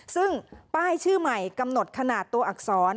ซึ่งป้ายชื่อใหม่กำหนดขนาดตัวอักษร